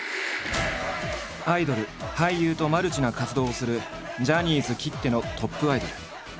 アイドル俳優とマルチな活動をするジャニーズきってのトップアイドル。